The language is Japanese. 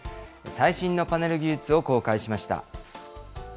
最新のパネル技術を公開しました。